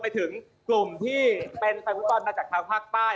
ไปถึงกลุ่มที่เป็นแฟนฟุตบอลมาจากทางภาคใต้